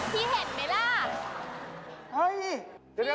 พี่เห็นไหมล่ะ